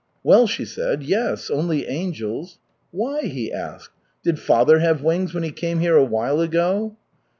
'Well,' she said, 'yes, only angels.' 'Why?' he asked. 'Did father have wings when he came here a while ago?'"